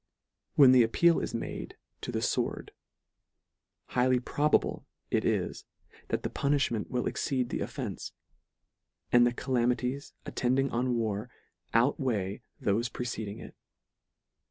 When the appeal is made to the fword, highly probable it is, that the punifliment will exceed the offence ; and the calamities attending on war out weigh thole preceding it.